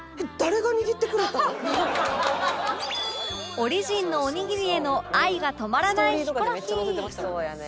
オリジンのおにぎりへの愛が止まらないヒコロヒー